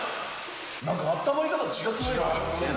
なんかあったまり方、違くないですか。